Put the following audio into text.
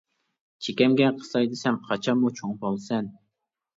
چېكەمگە قىساي دېسەم، قاچانمۇ چوڭ بولىسەن.